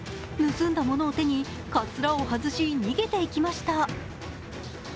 盗んだものを手にかつらを外し逃げていきました。